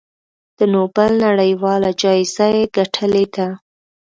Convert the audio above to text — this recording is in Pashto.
د نوبل نړیواله جایزه یې ګټلې ده.